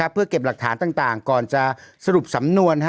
เพื่อเก็บหลักฐานต่างก่อนจะสรุปสำนวน